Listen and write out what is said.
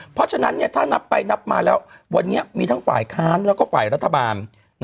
เพราะฉะนั้นถ้านับไปนับมาแล้ววันนี้มีทั้งฝ่ายค้านแล้วก็ฝ่ายรัฐบาล